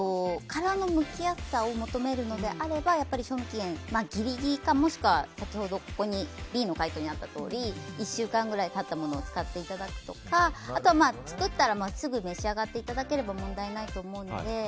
殻のむきやすさを求めるのであれば賞味期限ぎりぎりかＢの回答にあったとおり１週間経ったものを使ってもらうとかあとは作ったらすぐ召し上がっていただければ問題ないと思うので。